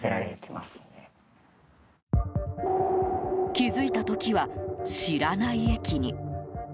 気づいた時は、知らない駅に。